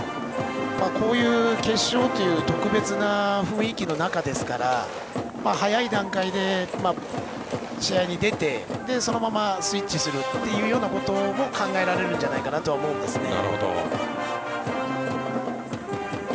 こういう決勝という特別な雰囲気の中ですから早い段階で試合に出て、そのままスイッチするということも考えられるんじゃないかなと思うんですね。